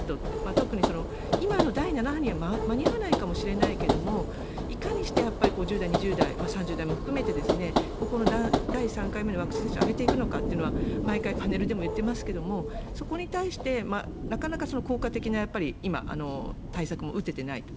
特に、今の第７波には間に合わないかもしれないけれどもいかにして１０代、２０代３０代も含めてここの第３回目のワクチン接種を上げていくのかというのは毎回パネルでも言っていますがそこに対してなかなか効果的な対策も今、打てていないと。